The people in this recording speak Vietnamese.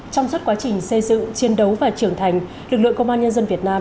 trong suốt quá trình xây dựng chiến đấu và trưởng thành lực lượng công an nhân dân việt nam